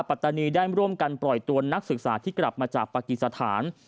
ปัตตานีได้ร่วมกันปล่อยตัวนักศึกษาที่กลับมาจากปากีสถาน